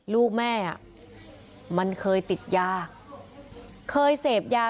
พุ่งเข้ามาแล้วกับแม่แค่สองคน